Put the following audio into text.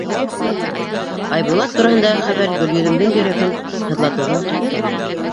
Айбулат тураһындағы хәбәр Гөлйөҙөмдөң йөрәген һыҙлатыуҙан туҡтаманы.